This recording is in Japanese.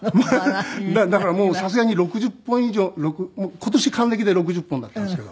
だからもうさすがに６０本以上今年還暦で６０本だったんですけど。